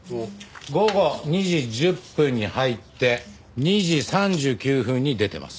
午後２時１０分に入って２時３９分に出てます。